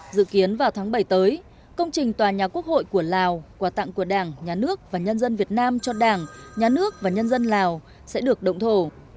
dự kiến vào tháng bảy tới công trình tòa nhà quốc hội của lào quà tặng của đảng nhà nước và nhân dân việt nam cho đảng nhà nước và nhân dân lào sẽ được động thổ